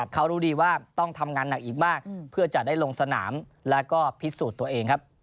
เขารู้ดีว่าต้องทำงานหนักอีกมากเพื่อจะได้ลงสนามแล้วก็พิสูจน์ตัวเองครับ